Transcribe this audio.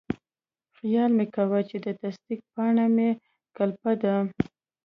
خیال مې کاوه چې تصدیق پاڼه مې کلپه ده.